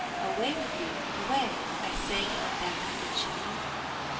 _] 'Away with you, away! I sang in the back of the chimney.